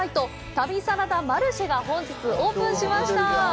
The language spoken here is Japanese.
「旅サラダマルシェ」が本日オープンしました！